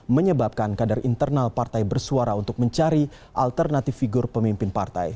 menyebabkan kadar internal partai bersuara untuk mencari alternatif figur pemimpin partai